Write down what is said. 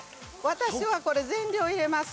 私はこれ全量入れます